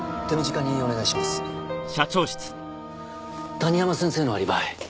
谷浜先生のアリバイ。